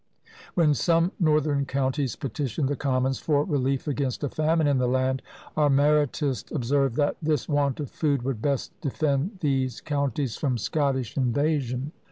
When some northern counties petitioned the Commons for relief against a famine in the land, our Maratist observed, that "this want of food would best defend those counties from Scottish invasion!"